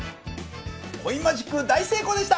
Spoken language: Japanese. コインマジック大成功でした。